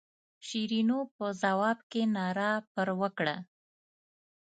شیرینو په ځواب کې ناره پر وکړه.